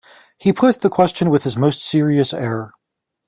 He put the question with his most serious air.